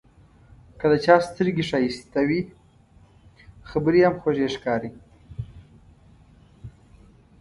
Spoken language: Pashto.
که د چا سترګې ښایسته وي، خبرې یې هم خوږې ښکاري.